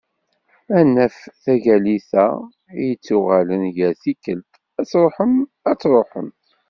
Ad naf taggalit-a i d-yettuɣalen yal tikkelt "Ad tṛuḥem, ad tṛuḥem".